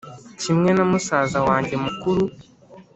kimwe na musaza wange mukuru